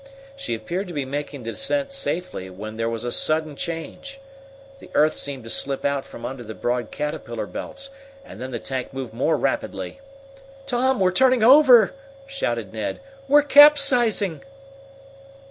She appeared to be making the descent safely, when there was a sudden change. The earth seemed to slip out from under the broad caterpillar belts, and then the tank moved more rapidly. "Tom, we're turning over!" shouted Ned. "We're capsizing!"